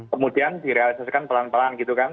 kemudian direalisasikan pelan pelan